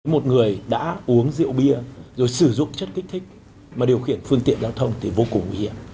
một người đã uống rượu bia rồi sử dụng chất kích thích mà điều khiển phương tiện giao thông thì vô cùng nguy hiểm